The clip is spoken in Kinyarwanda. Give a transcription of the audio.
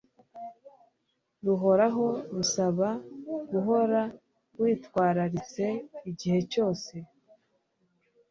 ruhoraho rusaba guhora witwariritse igihe cyose